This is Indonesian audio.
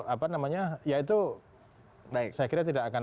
apa namanya ya itu saya kira tidak akan